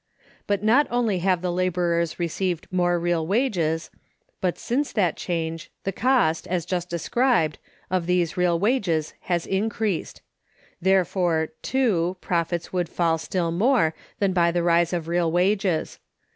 But not only have the laborers received more real wages, but since that change the cost, as just described, of these real wages has increased. Therefore (2), profits would fall still more than by the rise of real wages.